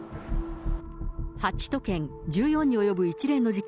８都県１４に及ぶ一連の事件。